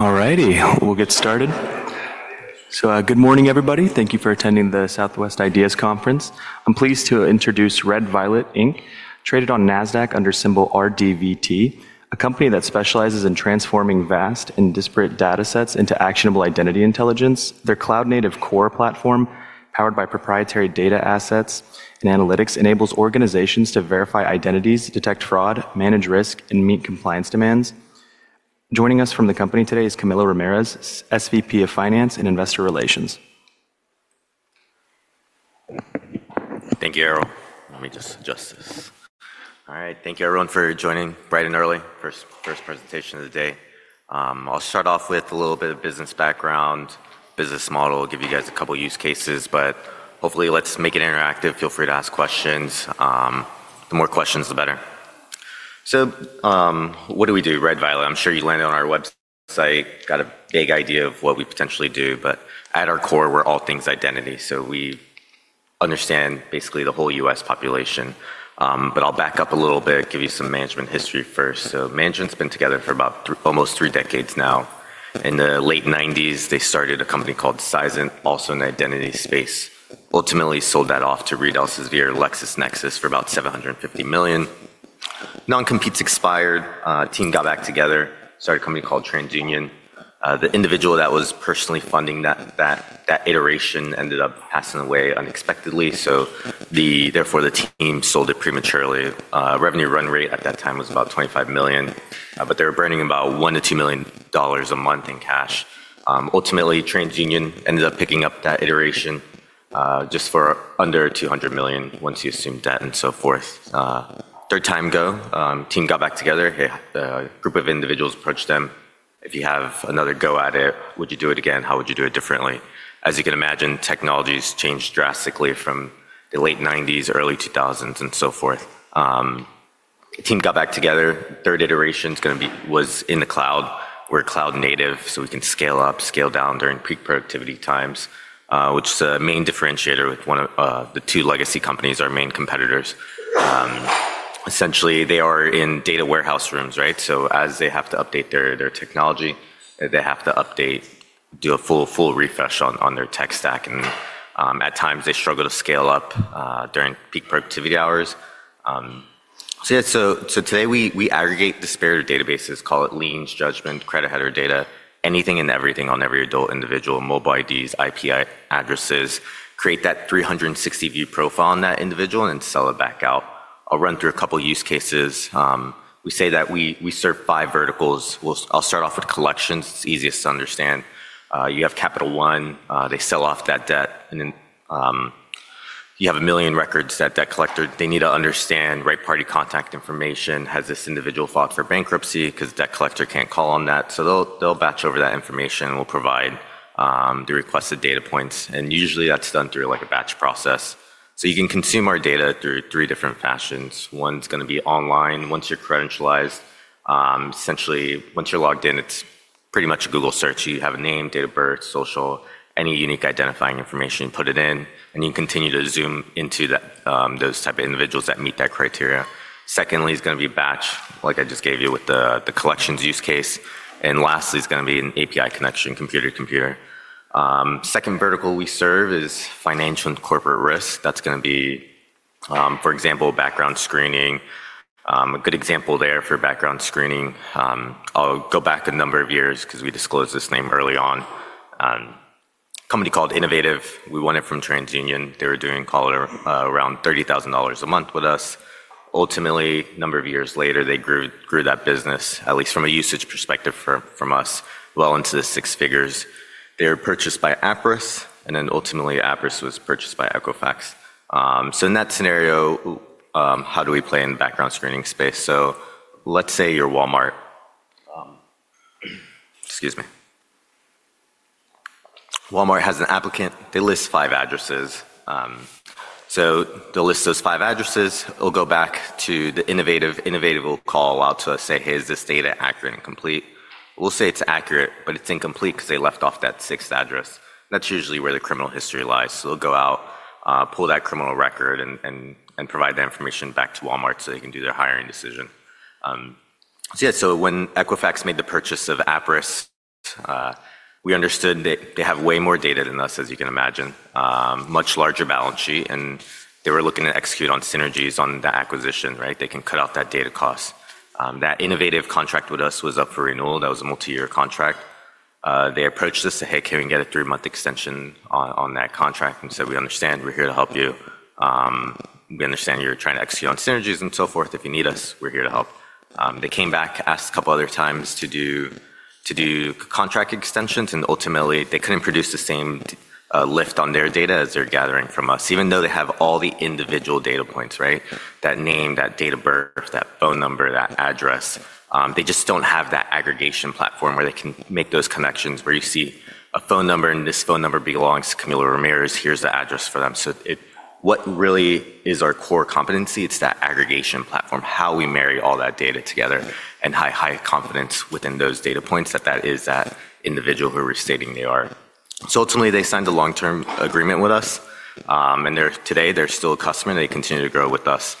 All righty, we'll get started. Good morning, everybody. Thank you for attending the Southwest Ideas Conference. I'm pleased to introduce Red Violet, traded on NASDAQ under symbol RDVT, a company that specializes in transforming vast and disparate data sets into actionable identity intelligence. Their cloud-native core platform, powered by proprietary data assets and analytics, enables organizations to verify identities, detect fraud, manage risk, and meet compliance demands. Joining us from the company today is Camilo Ramirez, SVP of Finance and Investor Relations. Thank you, Errol. Let me just adjust this. All right, thank you, everyone, for joining bright and early. First presentation of the day. I'll start off with a little bit of business background, business model, give you guys a couple of use cases, but hopefully, let's make it interactive. Feel free to ask questions. The more questions, the better. What do we do, Red Violet? I'm sure you landed on our website. Got a vague idea of what we potentially do, but at our core, we're all things identity. We understand basically the whole U.S. population. I'll back up a little bit, give you some management history first. Management's been together for about almost three decades now. In the late 1990s, they started a company called SizenT, also in the identity space. Ultimately, sold that off to Reed Elsevier, LexisNexis, for about $750 million. Non-compete's expired. Team got back together, started a company called TransUnion. The individual that was personally funding that iteration ended up passing away unexpectedly. Therefore, the team sold it prematurely. Revenue run rate at that time was about $25 million, but they were burning about $1-$2 million a month in cash. Ultimately, TransUnion ended up picking up that iteration just for under $200 million once he assumed debt and so forth. Third time go. Team got back together. A group of individuals approached them. If you have another go at it, would you do it again? How would you do it differently? As you can imagine, technologies changed drastically from the late 1990s, early 2000s, and so forth. Team got back together. Third iteration was in the cloud. We're cloud-native, so we can scale up, scale down during peak productivity times, which is a main differentiator with one of the two legacy companies, our main competitors. Essentially, they are in data warehouse rooms, right? As they have to update their technology, they have to update, do a full refresh on their tech stack. At times, they struggle to scale up during peak productivity hours. Today we aggregate disparate databases, call it liens, judgment, credit header data, anything and everything on every adult individual, mobile IDs, IP addresses, create that 360-view profile on that individual, and then sell it back out. I'll run through a couple of use cases. We say that we serve five verticals. I'll start off with collections. It's easiest to understand. You have Capital One. They sell off that debt. You have a million records that debt collector. They need to understand right-party contact information. Has this individual filed for bankruptcy? Because debt collector can't call on that. They'll batch over that information and will provide the requested data points. Usually, that's done through a batch process. You can consume our data through three different fashions. One's going to be online. Once you're credentialized, essentially, once you're logged in, it's pretty much a Google search. You have a name, date of birth, social, any unique identifying information, put it in, and you continue to zoom into those types of individuals that meet that criteria. Secondly is going to be batch, like I just gave you with the collections use case. Lastly is going to be an API connection, computer to computer. Second vertical we serve is financial and corporate risk. That's going to be, for example, background screening. A good example there for background screening. I'll go back a number of years because we disclosed this name early on. Company called Innovative. We won it from TransUnion. They were doing around $30,000 a month with us. Ultimately, a number of years later, they grew that business, at least from a usage perspective from us, well into the six figures. They were purchased by Aperis, and then ultimately, Aperis was purchased by Equifax. In that scenario, how do we play in the background screening space? Let's say you're Walmart. Excuse me. Walmart has an applicant. They list five addresses. They'll list those five addresses. It will go back to the Innovative. Innovative will call out to us, say, "Hey, is this data accurate and complete?" We'll say it's accurate, but it's incomplete because they left off that sixth address. That's usually where the criminal history lies. They'll go out, pull that criminal record, and provide that information back to Walmart so they can do their hiring decision. Yeah, when Equifax made the purchase of Aperis, we understood they have way more data than us, as you can imagine, much larger balance sheet. They were looking to execute on synergies on that acquisition, right? They can cut out that data cost. That Innovative contract with us was up for renewal. That was a multi-year contract. They approached us to, "Hey, can we get a three-month extension on that contract?" and said, "We understand. We're here to help you. We understand you're trying to execute on synergies and so forth. If you need us, we're here to help." They came back, asked a couple other times to do contract extensions, and ultimately, they couldn't produce the same lift on their data as they're gathering from us, even though they have all the individual data points, right? That name, that date of birth, that phone number, that address. They just don't have that aggregation platform where they can make those connections where you see a phone number, and this phone number belongs to Camilo Ramirez. Here's the address for them. What really is our core competency? It's that aggregation platform, how we marry all that data together and high confidence within those data points that that is that individual who we're stating they are. Ultimately, they signed a long-term agreement with us. Today, they're still a customer. They continue to grow with us,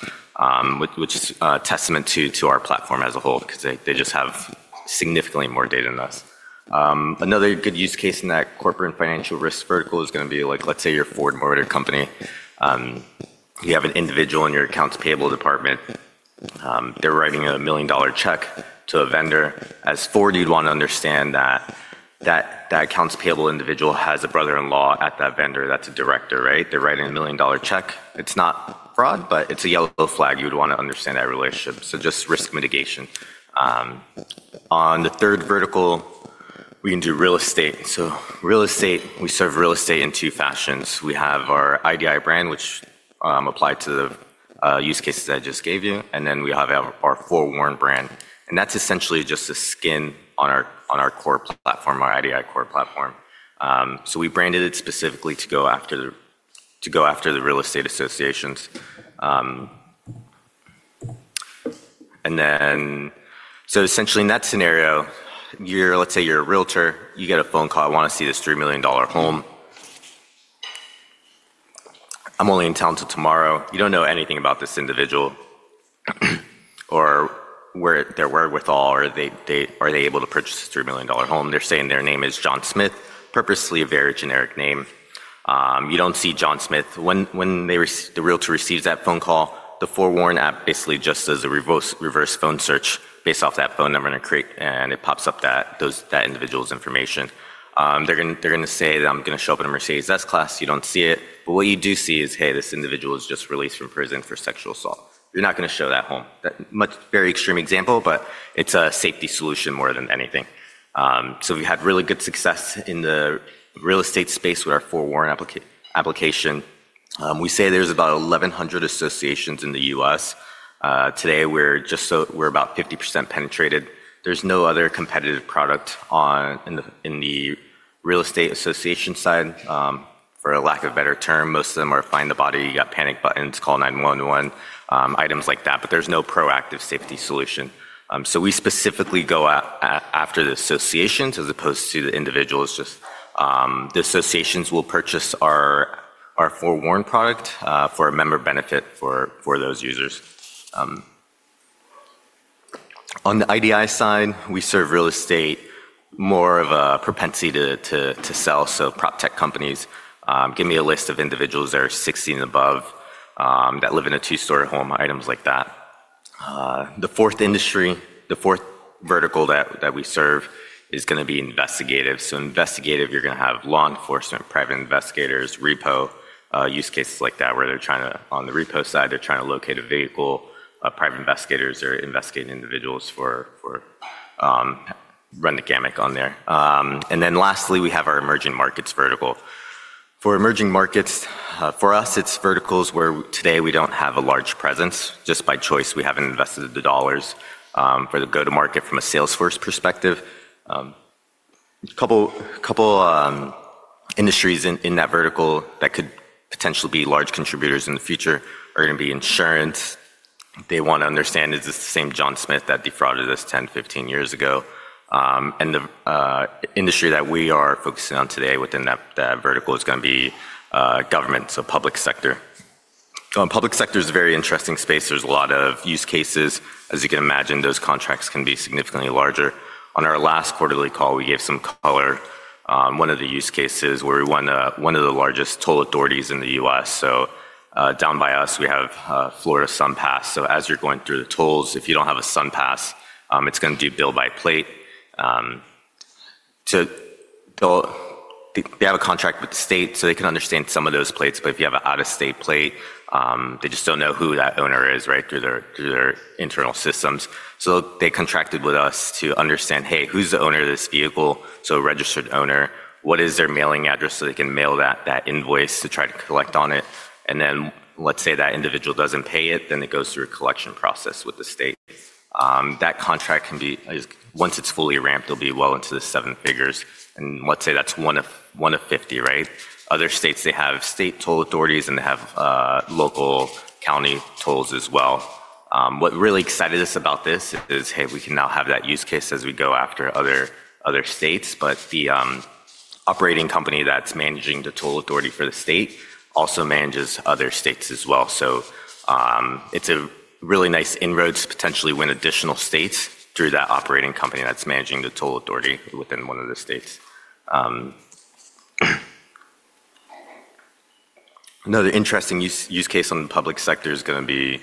which is a testament to our platform as a whole because they just have significantly more data than us. Another good use case in that corporate and financial risk vertical is going to be like, let's say you're a forward mortgage company. You have an individual in your accounts payable department. They're writing a $1 million check to a vendor. As forward, you'd want to understand that that accounts payable individual has a brother-in-law at that vendor that's a director, right? They're writing a $1 million check. It's not fraud, but it's a yellow flag. You would want to understand that relationship. Just risk mitigation. On the third vertical, we can do real estate. Real estate, we serve real estate in two fashions. We have our IDI brand, which applied to the use cases I just gave you, and then we have our Forewarn brand. That is essentially just a skin on our core platform, our IDI core platform. We branded it specifically to go after the real estate associations. Essentially, in that scenario, let's say you're a realtor. You get a phone call. I want to see this $3 million home. I'm only in town until tomorrow. You don't know anything about this individual or their wherewithal or are they able to purchase a $3 million home. They're saying their name is John Smith, purposely a very generic name. You don't see John Smith. When the realtor receives that phone call, the Forewarn app basically just does a reverse phone search based off that phone number, and it pops up that individual's information. They're going to say, "I'm going to show up in a Mercedes S-Class." You don't see it. What you do see is, "Hey, this individual was just released from prison for sexual assault." You're not going to show that home. Very extreme example, but it's a safety solution more than anything. We've had really good success in the real estate space with our Forewarn application. We say there's about 1,100 associations in the U.S. Today, we're about 50% penetrated. There's no other competitive product in the real estate association side, for a lack of a better term. Most of them are find the body. You got panic buttons. Call 911. Items like that. There's no proactive safety solution. We specifically go after the associations as opposed to the individuals. Just the associations will purchase our Forewarn product for a member benefit for those users. On the IDI side, we serve real estate more of a propensity to sell. So, prop tech companies. Give me a list of individuals that are 60 and above that live in a two-story home, items like that. The fourth industry, the fourth vertical that we serve is going to be investigative. Investigative, you're going to have law enforcement, private investigators, repo, use cases like that where they're trying to, on the repo side, they're trying to locate a vehicle. Private investigators are investigating individuals for run the gammon on there. Lastly, we have our emerging markets vertical. For emerging markets, for us, it's verticals where today we don't have a large presence. Just by choice, we haven't invested the dollars for the go-to-market from a Salesforce perspective. A couple of industries in that vertical that could potentially be large contributors in the future are going to be insurance. They want to understand, is this the same John Smith that defrauded us 10, 15 years ago? The industry that we are focusing on today within that vertical is going to be government, so public sector. Public sector is a very interesting space. There's a lot of use cases. As you can imagine, those contracts can be significantly larger. On our last quarterly call, we gave some color. One of the use cases where we won one of the largest toll authorities in the U.S. Down by us, we have Florida SunPass. As you're going through the tolls, if you don't have a SunPass, it's going to do bill by plate. They have a contract with the state, so they can understand some of those plates. If you have an out-of-state plate, they just don't know who that owner is, right, through their internal systems. They contracted with us to understand, "Hey, who's the owner of this vehicle?" Registered owner. What is their mailing address so they can mail that invoice to try to collect on it? Let's say that individual doesn't pay it, it goes through a collection process with the state. That contract can be, once it's fully ramped, it'll be well into the seven figures. Let's say that's one of 50, right? Other states have state toll authorities, and they have local county tolls as well. What really excited us about this is, "Hey, we can now have that use case as we go after other states." The operating company that's managing the toll authority for the state also manages other states as well. It's a really nice inroad to potentially win additional states through that operating company that's managing the toll authority within one of the states. Another interesting use case in the public sector is going to be,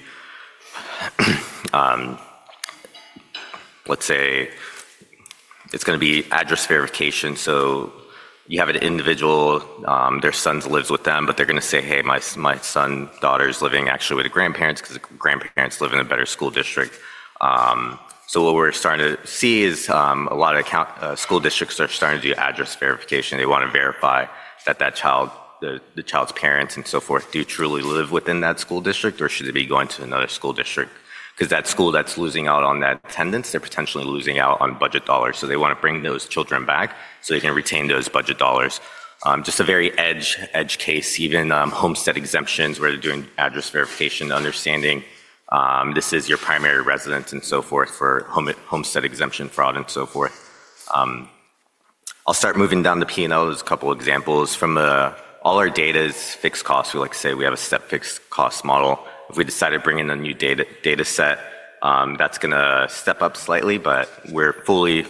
let's say it's going to be address verification. You have an individual, their son lives with them, but they're going to say, "Hey, my son's daughter is living actually with the grandparents because the grandparents live in a better school district." What we're starting to see is a lot of school districts are starting to do address verification. They want to verify that the child's parents and so forth do truly live within that school district, or should they be going to another school district? Because that school that's losing out on that attendance, they're potentially losing out on budget dollars. They want to bring those children back so they can retain those budget dollars. Just a very edge case, even homestead exemptions where they're doing address verification, understanding this is your primary residence and so forth for homestead exemption fraud and so forth. I'll start moving down the P&Ls. A couple of examples. All our data is fixed costs. We like to say we have a step-fixed cost model. If we decide to bring in a new data set, that's going to step up slightly, but we're fully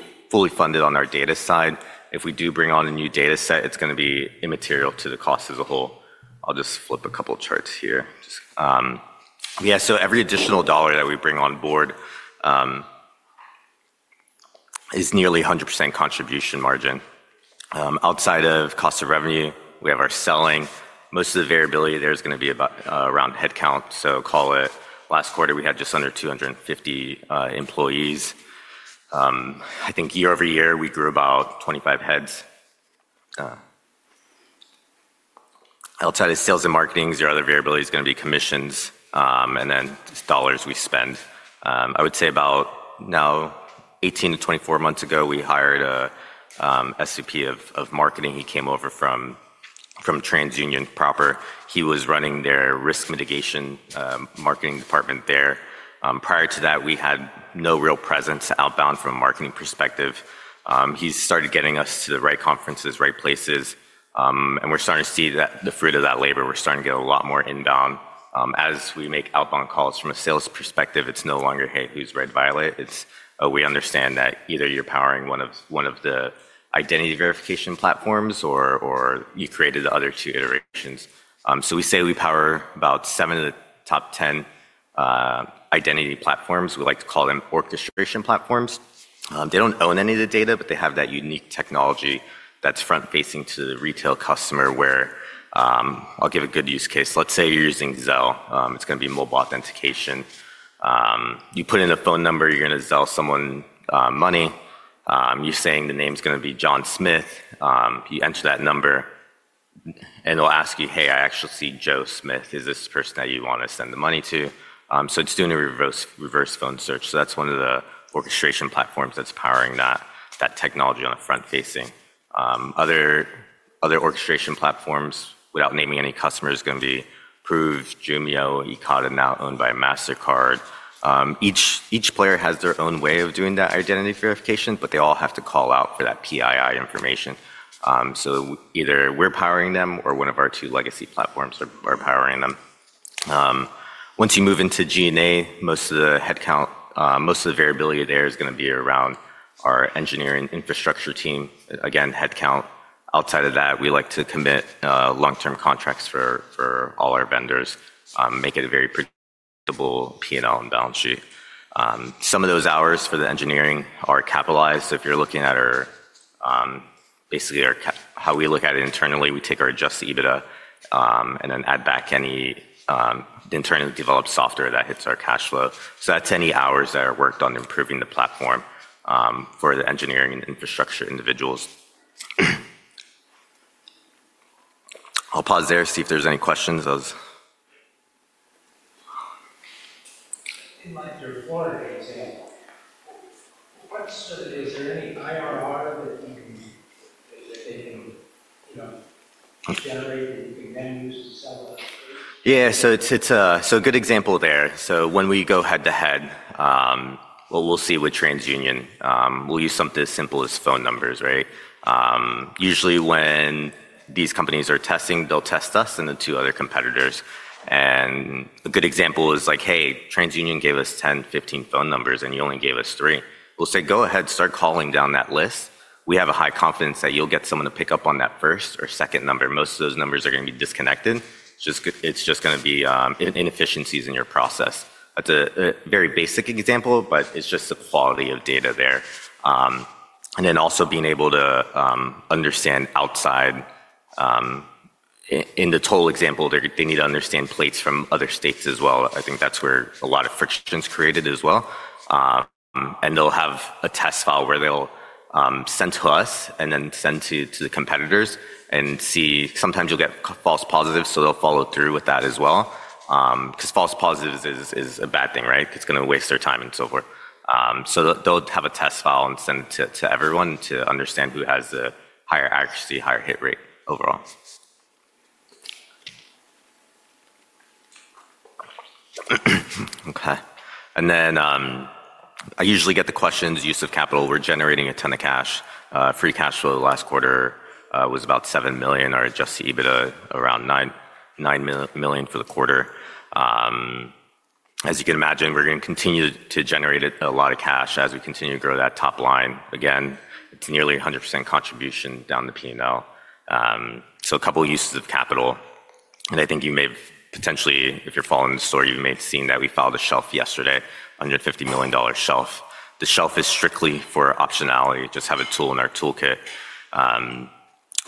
funded on our data side. If we do bring on a new data set, it's going to be immaterial to the cost as a whole. I'll just flip a couple of charts here. Yeah, every additional dollar that we bring on board is nearly 100% contribution margin. Outside of cost of revenue, we have our selling. Most of the variability there is going to be around headcount. Call it last quarter, we had just under 250 employees. I think year over year, we grew about 25 heads. Outside of sales and marketing, your other variability is going to be commissions and then dollars we spend. I would say about now 18-24 months ago, we hired an SVP of Marketing. He came over from TransUnion proper. He was running their risk mitigation marketing department there. Prior to that, we had no real presence outbound from a marketing perspective. He started getting us to the right conferences, right places, and we're starting to see the fruit of that labor. We're starting to get a lot more inbound. As we make outbound calls from a sales perspective, it's no longer, "Hey, who's Red Violet?" It's, "Oh, we understand that either you're powering one of the identity verification platforms or you created the other two iterations." We say we power about seven of the top 10 identity platforms. We like to call them orchestration platforms. They don't own any of the data, but they have that unique technology that's front-facing to the retail customer where I'll give a good use case. Let's say you're using Zelle. It's going to be mobile authentication. You put in a phone number, you're going to Zelle someone money. You're saying the name's going to be John Smith. You enter that number, and it'll ask you, "Hey, I actually see Joe Smith. Is this the person that you want to send the money to?" It is doing a reverse phone search. That's one of the orchestration platforms that's powering that technology on the front-facing. Other orchestration platforms, without naming any customers, are going to be Proof, Jumio, Ekata, now owned by Mastercard. Each player has their own way of doing that identity verification, but they all have to call out for that PII information. Either we're powering them or one of our two legacy platforms are powering them. Once you move into G&A, most of the variability there is going to be around our engineering infrastructure team. Again, headcount. Outside of that, we like to commit long-term contracts for all our vendors, make it a very predictable P&L and balance sheet. Some of those hours for the engineering are capitalized. If you're looking at basically how we look at it internally, we take our adjusted EBITDA and then add back any internally developed software that hits our cash flow. That's any hours that are worked on improving the platform for the engineering and infrastructure individuals. I'll pause there and see if there's any questions. In like your Forewarn example, is there any IRR that they can generate that you can then use to sell to other places? Yeah, it's a good example there. When we go head-to-head, we'll see with TransUnion. We'll use something as simple as phone numbers, right? Usually, when these companies are testing, they'll test us and the two other competitors. A good example is like, "Hey, TransUnion gave us 10, 15 phone numbers, and you only gave us three." We'll say, "Go ahead, start calling down that list." We have a high confidence that you'll get someone to pick up on that first or second number. Most of those numbers are going to be disconnected. It's just going to be inefficiencies in your process. That's a very basic example, but it's just the quality of data there. Also, being able to understand outside. In the toll example, they need to understand plates from other states as well. I think that's where a lot of friction is created as well. They'll have a test file where they'll send to us and then send to the competitors and see. Sometimes you'll get false positives, so they'll follow through with that as well. Because false positives is a bad thing, right? It's going to waste their time and so forth. They'll have a test file and send it to everyone to understand who has the higher accuracy, higher hit rate overall. Okay. I usually get the questions, use of capital. We're generating a ton of cash. Free cash flow last quarter was about $7 million or adjusted EBITDA around $9 million for the quarter. As you can imagine, we're going to continue to generate a lot of cash as we continue to grow that top line. Again, it's nearly 100% contribution down the P&L. A couple of uses of capital. I think you may have potentially, if you're following the story, you may have seen that we filed a shelf yesterday, $150 million shelf. The shelf is strictly for optionality. Just have a tool in our toolkit.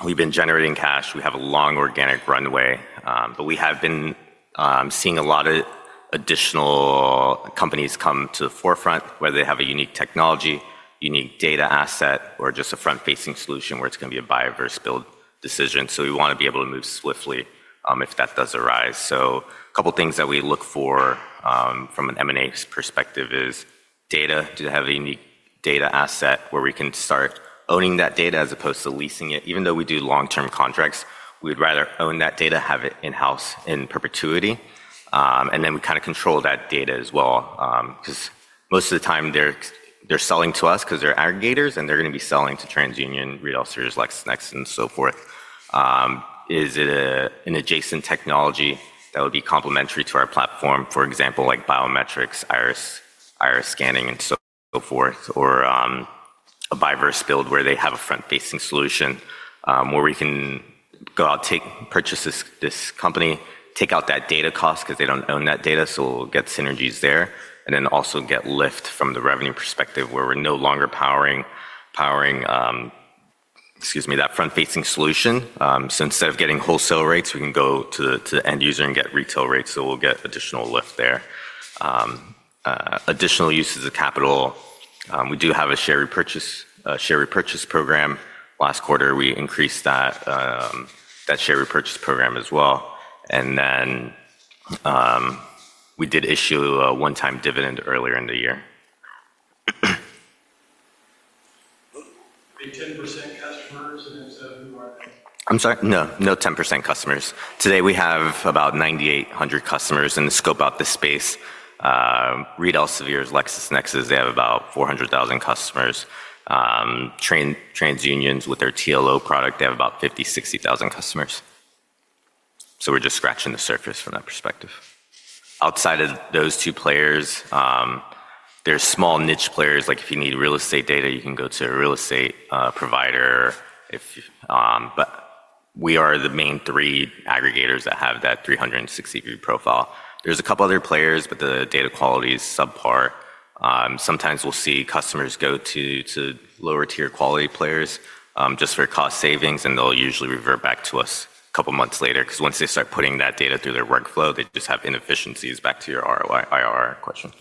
We've been generating cash. We have a long organic runway. We have been seeing a lot of additional companies come to the forefront where they have a unique technology, unique data asset, or just a front-facing solution where it's going to be a buyer versus build decision. We want to be able to move swiftly if that does arise. A couple of things that we look for from an M&A perspective is data. Do they have a unique data asset where we can start owning that data as opposed to leasing it? Even though we do long-term contracts, we would rather own that data, have it in-house in perpetuity. Then we kind of control that data as well. Because most of the time they're selling to us because they're aggregators and they're going to be selling to TransUnion, Red Violet, LexisNexis, and so forth. Is it an adjacent technology that would be complementary to our platform, for example, like biometrics, iris scanning, and so forth, or a buy versus build where they have a front-facing solution where we can go out, purchase this company, take out that data cost because they don't own that data. We'll get synergies there. Also get lift from the revenue perspective where we're no longer powering that front-facing solution. Instead of getting wholesale rates, we can go to the end user and get retail rates. We'll get additional lift there. Additional uses of capital. We do have a share repurchase program. Last quarter, we increased that share repurchase program as well. We did issue a one-time dividend earlier in the year. Big 10% customers? I'm sorry. No, no 10% customers. Today, we have about 9,800 customers in the scope out the space. Red Violet, Camilo's LexisNexis, they have about 400,000 customers. TransUnion with their TLO product, they have about 50,000-60,000 customers. We're just scratching the surface from that perspective. Outside of those two players, there are small niche players. Like if you need real estate data, you can go to a real estate provider. We are the main three aggregators that have that 360-degree profile. There are a couple of other players, but the data quality is subpar. Sometimes we'll see customers go to lower-tier quality players just for cost savings, and they'll usually revert back to us a couple of months later because once they start putting that data through their workflow, they just have inefficiencies back to your IRR question.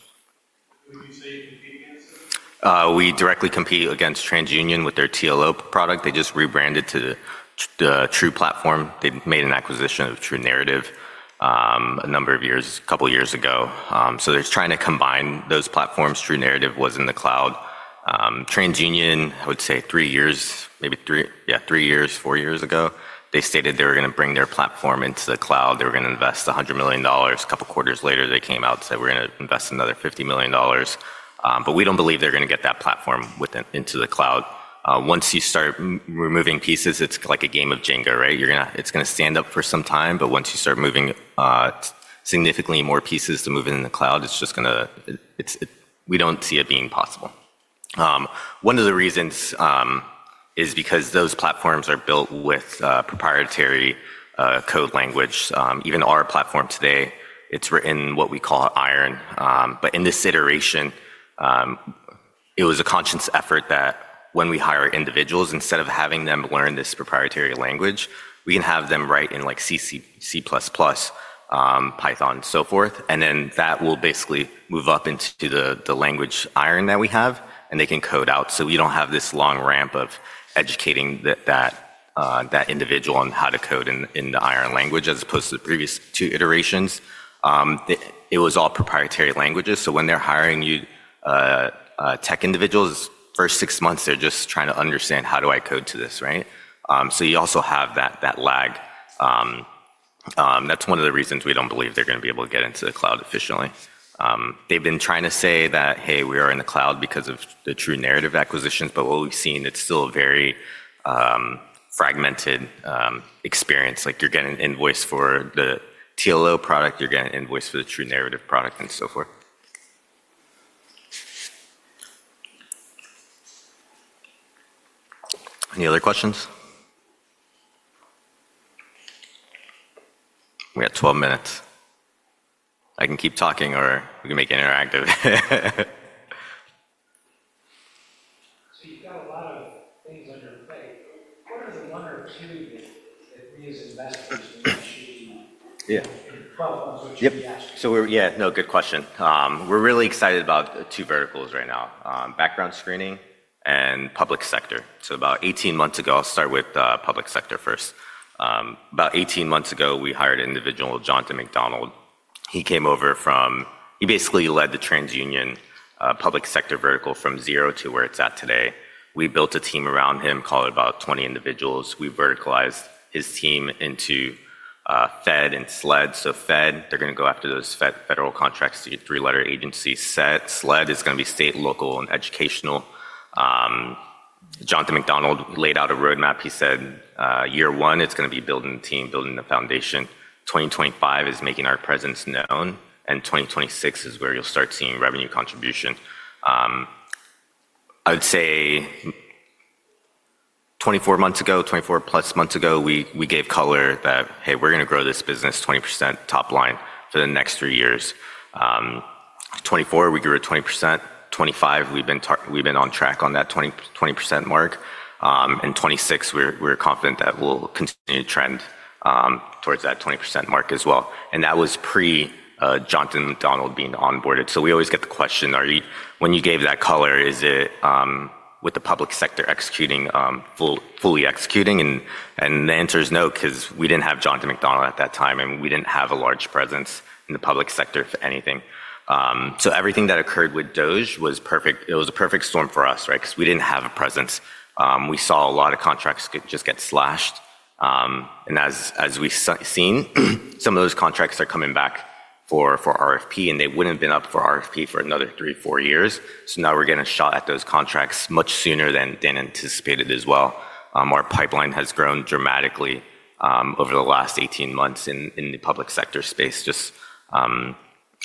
We directly compete against TransUnion with their TLO product. They just rebranded to the True Platform. They made an acquisition of True Narrative a number of years, a couple of years ago. They're trying to combine those platforms. True Narrative was in the cloud. TransUnion, I would say three years, maybe three, yeah, three years, four years ago, they stated they were going to bring their platform into the cloud. They were going to invest $100 million. A couple of quarters later, they came out and said, "We're going to invest another $50 million." We don't believe they're going to get that platform into the cloud. Once you start removing pieces, it's like a game of Jenga, right? It's going to stand up for some time, but once you start moving significantly more pieces to move it in the cloud, it's just going to, we don't see it being possible. One of the reasons is because those platforms are built with proprietary code language. Even our platform today, it's written in what we call iron. In this iteration, it was a conscious effort that when we hire individuals, instead of having them learn this proprietary language, we can have them write in C++, Python, and so forth. That will basically move up into the language iron that we have, and they can code out. We don't have this long ramp of educating that individual on how to code in the iron language as opposed to the previous two iterations. It was all proprietary languages. When they're hiring you tech individuals, first six months, they're just trying to understand, "How do I code to this?" Right? You also have that lag. That's one of the reasons we don't believe they're going to be able to get into the cloud efficiently. They've been trying to say that, "Hey, we are in the cloud because of the True Narrative acquisitions," but what we've seen, it's still a very fragmented experience. Like you're getting an invoice for the TLO product, you're getting an invoice for the True Narrative product, and so forth. Any other questions? We got 12 minutes. I can keep talking or we can make it interactive. You've got a lot of things on your plate. What are the one or two that reason investors in the machine? Yeah. Yeah. No, good question. We're really excited about two verticals right now: background screening and public sector. About 18 months ago, I'll start with public sector first. About 18 months ago, we hired an individual, Jonathan MacDonald. He came over from, he basically led the TransUnion public sector vertical from zero to where it's at today. We built a team around him, called it about 20 individuals. We verticalized his team into Fed and SLED. Fed, they're going to go after those federal contracts, three-letter agency. SLED is going to be state, local, and educational. Jonathan MacDonald laid out a roadmap. He said, "Year one, it's going to be building the team, building the foundation. 2025 is making our presence known, and 2026 is where you'll start seeing revenue contribution. I would say 24 months ago, 24 plus months ago, we gave color that, "Hey, we're going to grow this business 20% top line for the next three years." 2024, we grew 20%. 2025, we've been on track on that 20% mark. 2026, we're confident that we'll continue to trend towards that 20% mark as well. That was pre-Jonathan MacDonald being onboarded. We always get the question, "When you gave that color, is it with the public sector fully executing?" The answer is no, because we didn't have Jonathan MacDonald at that time, and we didn't have a large presence in the public sector for anything. Everything that occurred with Doge was perfect. It was a perfect storm for us, right? Because we didn't have a presence. We saw a lot of contracts just get slashed. As we've seen, some of those contracts are coming back for RFP, and they wouldn't have been up for RFP for another three, four years. Now we're getting a shot at those contracts much sooner than anticipated as well. Our pipeline has grown dramatically over the last 18 months in the public sector space.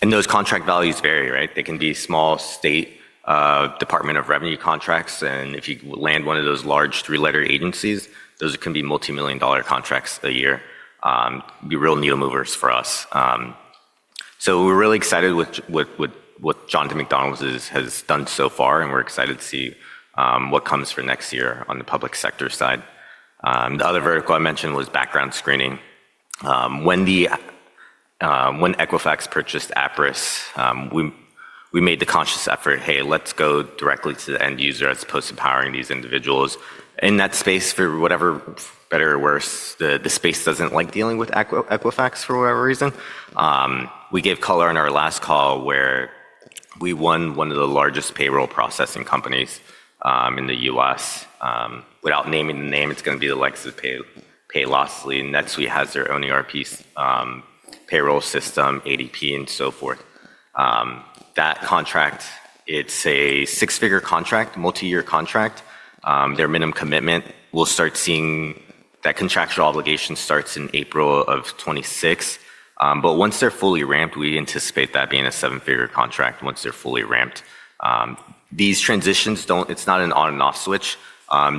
Those contract values vary, right? They can be small state Department of Revenue contracts. If you land one of those large three-letter agencies, those can be multi-million dollar contracts a year. They are real needle movers for us. We're really excited with what Jonathan MacDonald has done so far, and we're excited to see what comes for next year on the public sector side. The other vertical I mentioned was background screening. When Equifax purchased Aperis, we made the conscious effort, "Hey, let's go directly to the end user as opposed to powering these individuals." In that space, for whatever better or worse, the space doesn't like dealing with Equifax for whatever reason. We gave color in our last call where we won one of the largest payroll processing companies in the U.S. Without naming the name, it's going to be the likes of Paylocity. Next, we have their own ERP payroll system, ADP, and so forth. That contract, it's a six-figure contract, multi-year contract. Their minimum commitment, we'll start seeing that contractual obligation starts in April of 2026. Once they're fully ramped, we anticipate that being a seven-figure contract once they're fully ramped. These transitions, it's not an on-and-off switch.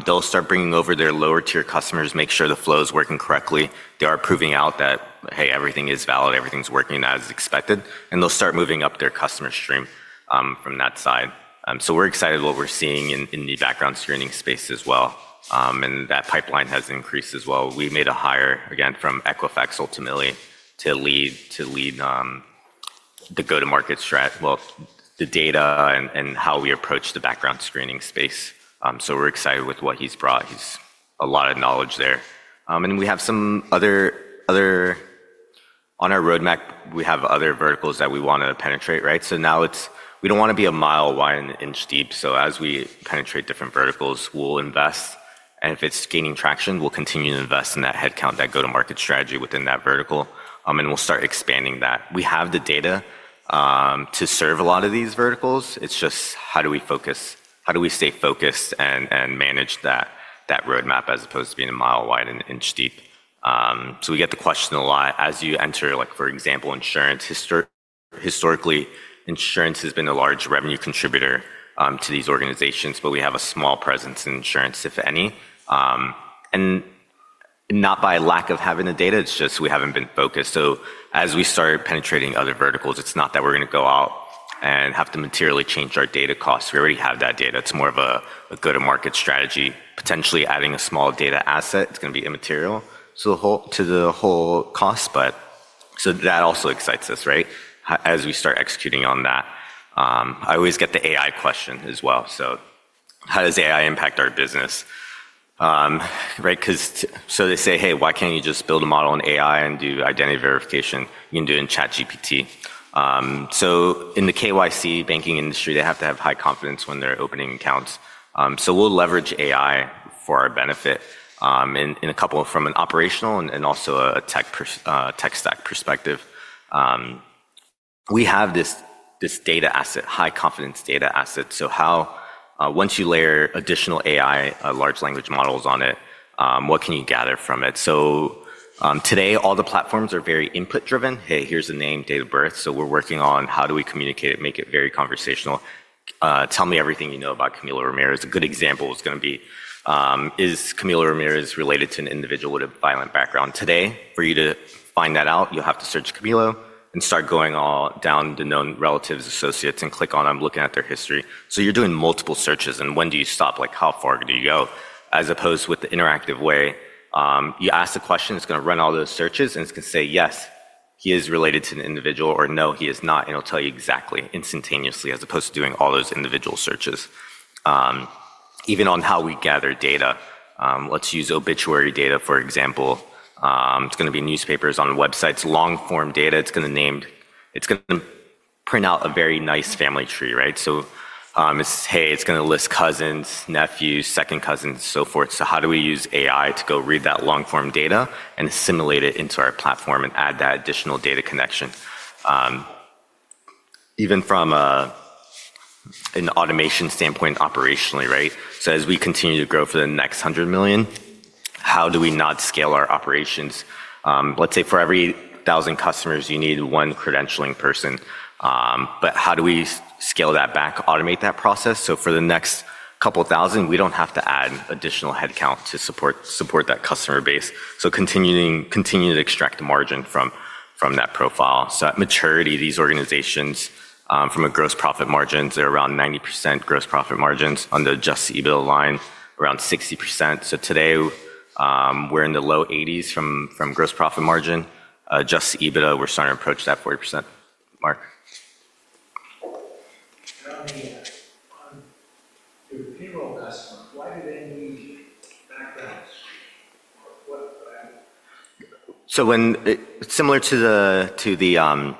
They'll start bringing over their lower-tier customers, make sure the flow is working correctly. They are proving out that, "Hey, everything is valid. Everything's working as expected." They'll start moving up their customer stream from that side. We're excited with what we're seeing in the background screening space as well. That pipeline has increased as well. We made a hire, again, from Equifax ultimately to lead the go-to-market strat, the data and how we approach the background screening space. We're excited with what he's brought. He's a lot of knowledge there. On our roadmap, we have other verticals that we want to penetrate, right? We don't want to be a mile wide and inch deep. As we penetrate different verticals, we'll invest. If it's gaining traction, we'll continue to invest in that headcount, that go-to-market strategy within that vertical. We'll start expanding that. We have the data to serve a lot of these verticals. It's just how do we focus, how do we stay focused and manage that roadmap as opposed to being a mile wide and inch deep? We get the question a lot as you enter, for example, insurance. Historically, insurance has been a large revenue contributor to these organizations, but we have a small presence in insurance, if any. Not by lack of having the data, it's just we haven't been focused. As we start penetrating other verticals, it's not that we're going to go out and have to materially change our data costs. We already have that data. It's more of a go-to-market strategy, potentially adding a small data asset. It's going to be immaterial to the whole cost. That also excites us, right? As we start executing on that, I always get the AI question as well. How does AI impact our business? Right? Because they say, "Hey, why can't you just build a model in AI and do identity verification? You can do it in ChatGPT." In the KYC banking industry, they have to have high confidence when they're opening accounts. We'll leverage AI for our benefit in a couple from an operational and also a tech stack perspective. We have this data asset, high confidence data asset. Once you layer additional AI, large language models on it, what can you gather from it? Today, all the platforms are very input-driven. "Hey, here's a name, date of birth." We're working on how do we communicate it, make it very conversational. Tell me everything you know about Camilo Ramirez. A good example is going to be, is Camilo Ramirez related to an individual with a violent background? Today, for you to find that out, you'll have to search Camilo and start going all down the known relatives, associates, and click on, "I'm looking at their history." You are doing multiple searches. When do you stop? Like, how far do you go? As opposed with the interactive way, you ask the question, it's going to run all those searches, and it's going to say, "Yes, he is related to an individual," or, "No, he is not." It will tell you exactly, instantaneously, as opposed to doing all those individual searches. Even on how we gather data, let's use obituary data, for example. It's going to be newspapers on websites, long-form data. It's going to print out a very nice family tree, right? Hey, it's going to list cousins, nephews, second cousins, so forth. How do we use AI to go read that long-form data and assimilate it into our platform and add that additional data connection? Even from an automation standpoint operationally, right? As we continue to grow for the next $100 million, how do we not scale our operations? Let's say for every 1,000 customers, you need one credentialing person. How do we scale that back, automate that process? For the next couple of thousand, we don't have to add additional headcount to support that customer base. Continue to extract the margin from that profile. At maturity, these organizations, from a gross profit margins, they're around 90% gross profit margins on the just EBITDA line, around 60%. Today, we're in the low 80s from gross profit margin. Just EBITDA, we're starting to approach that 40% mark. Similar to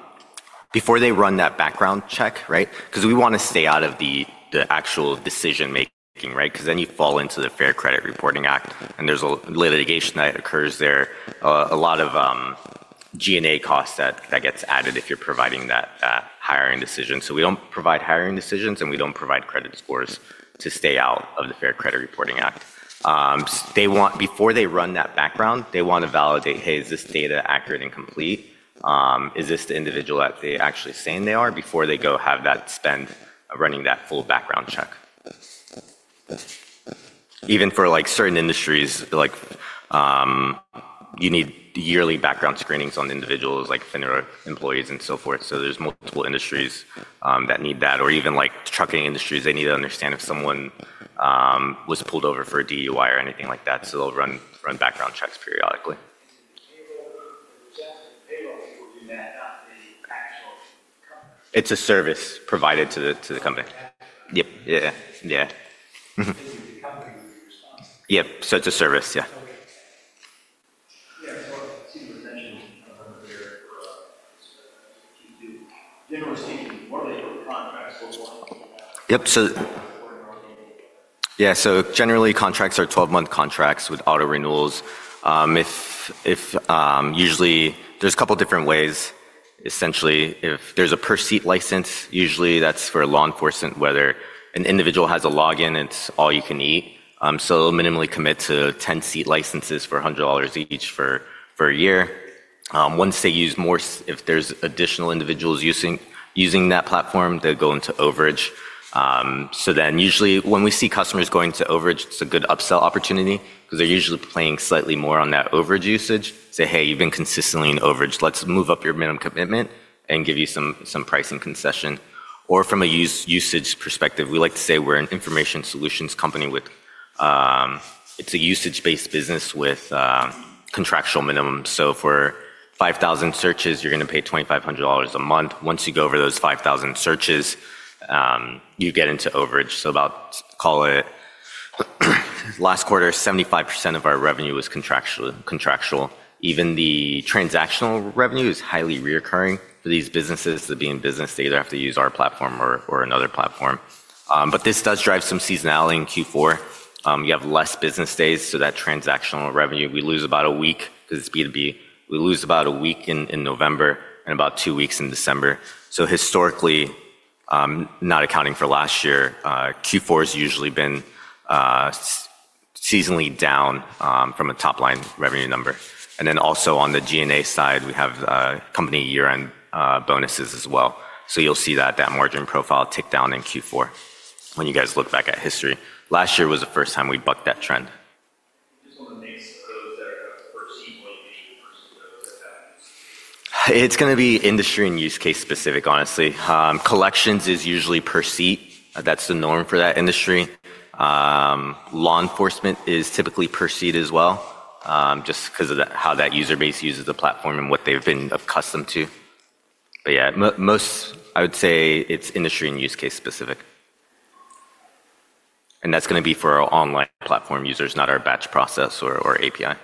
before they run that background check, right? Because we want to stay out of the actual decision-making, right? Because then you fall into the Fair Credit Reporting Act, and there's a litigation that occurs there, a lot of G&A costs that gets added if you're providing that hiring decision. We don't provide hiring decisions, and we don't provide credit scores to stay out of the Fair Credit Reporting Act. Before they run that background, they want to validate, "Hey, is this data accurate and complete? Is this the individual that they actually say they are?" Before they go have that spend running that full background check. Even for certain industries, you need yearly background screenings on individuals, like employees and so forth. There's multiple industries that need that. Even trucking industries, they need to understand if someone was pulled over for a DUI or anything like that. They'll run background checks periodically. Is that payroll for doing that, not the actual company? It's a service provided to the company. Yep. Yeah. Yeah. Yep. It's a service. Yeah. See the retention of them earlier for us. Generally speaking, what are the contracts? What do you have? Yep. So. Yeah. Generally, contracts are 12-month contracts with auto renewals. Usually, there's a couple of different ways. Essentially, if there's a per-seat license, usually that's for law enforcement, whether an individual has a login, it's all you can eat. They'll minimally commit to 10-seat licenses for $100 each for a year. Once they use more, if there's additional individuals using that platform, they'll go into overage. Usually, when we see customers going to overage, it's a good upsell opportunity because they're usually paying slightly more on that overage usage. Say, "Hey, you've been consistently in overage. Let's move up your minimum commitment and give you some pricing concession." From a usage perspective, we like to say we're an information solutions company. It's a usage-based business with contractual minimums. For 5,000 searches, you're going to pay $2,500 a month. Once you go over those 5,000 searches, you get into overage. About, call it last quarter, 75% of our revenue was contractual. Even the transactional revenue is highly reoccurring for these businesses that are being in business. They either have to use our platform or another platform. This does drive some seasonality in Q4. You have fewer business days, so that transactional revenue, we lose about a week because it's B2B. We lose about a week in November and about two weeks in December. Historically, not accounting for last year, Q4 has usually been seasonally down from a top-line revenue number. Also, on the G&A side, we have company year-end bonuses as well. You'll see that margin profile tick down in Q4 when you guys look back at history. Last year was the first time we bucked that trend. Just on the names of those that are per-seat orientation versus those that have usage? It's going to be industry and use case specific, honestly. Collections is usually per seat. That's the norm for that industry. Law enforcement is typically per seat as well, just because of how that user base uses the platform and what they've been accustomed to. Yeah, most, I would say it's industry and use case specific. That's going to be for our online platform users, not our batch process or API.